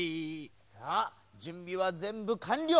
さあじゅんびはぜんぶかんりょう！